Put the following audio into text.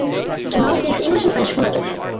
Jamal speaks English and French fluently.